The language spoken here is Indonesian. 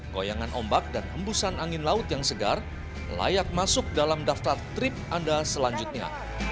goyangan ombak dan hembusan angin laut yang segar layak masuk dalam daftar trip anda selanjutnya